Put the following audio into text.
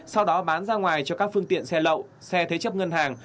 sau đó bán ra ngoài cho các phương tiện xe lậu xe thế chấp ngân hàng